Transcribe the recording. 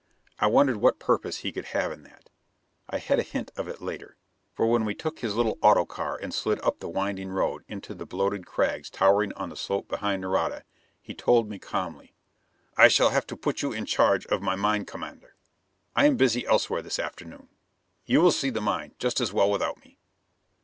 I wondered what purpose he could have in that. I had a hint of it later; for when we took his little autocar and slid up the winding road into the bloated crags towering on the slope behind Nareda, he told me calmly: "I shall have to put you in charge of my mine commander. I am busy elsewhere this afternoon. You will see the mine just as well without me."